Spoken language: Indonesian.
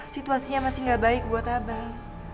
situasinya masih gak baik buat abang